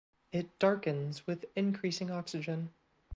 It darkens with increasing oxygen.